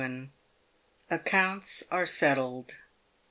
ACCOUNTS AEE SETTLED.